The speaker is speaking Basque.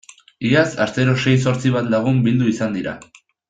Iaz astero sei zortzi bat lagun bildu izan dira.